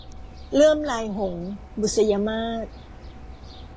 เลื่อมลายหงส์ - บุษยมาส